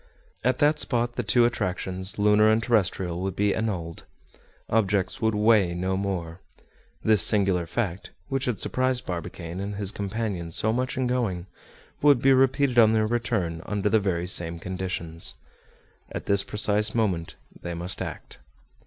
At that spot the two attractions, lunar and terrestrial, would be annulled. Objects would "weigh" no more. This singular fact, which had surprised Barbicane and his companions so much in going, would be repeated on their return under the very same conditions. At this precise moment they must act.